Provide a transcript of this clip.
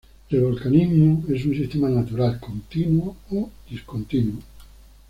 El volcanismo es un sistema natural, continuo o discontinuo.